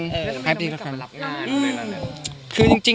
แล้วมันก็ไม่กลับมารับงานเลยแล้วเนี่ย